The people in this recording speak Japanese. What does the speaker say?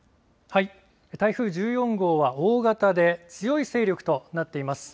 台風１４号は大型で強い勢力となっています。